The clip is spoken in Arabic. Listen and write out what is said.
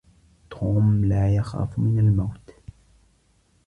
توم لا يخاف من الموت.